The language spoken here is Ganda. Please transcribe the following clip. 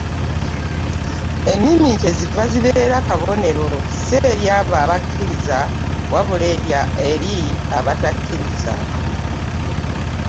Ennimi kye ziva zibeera akaonero, ssi eri abo abakkiriza, wabula eri abatakkiriza.